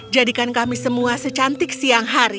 jadikan kami semua secantik siang hari